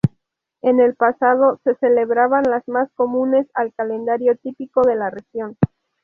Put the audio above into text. En el pasado se celebraban las más comunes al calendario típico de la región.